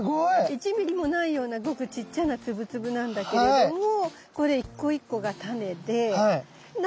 １ミリもないようなごくちっちゃな粒々なんだけれどもこれ一個一個がタネで何？